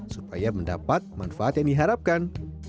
supaya mendapat manfaat yang diharapkan